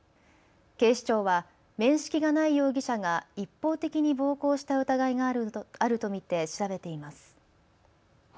警視庁は面識がない容疑者が一方的に暴行した疑いがあると見て調べています。